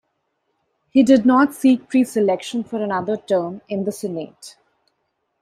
He did not seek pre-selection for another term in the Senate.